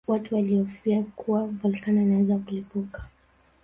Watu walihofia kuwa volkano inaweza kulipuka